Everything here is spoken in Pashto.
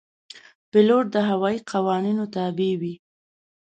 پیلوټ د هوايي قوانینو تابع وي.